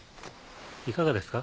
いかがですか？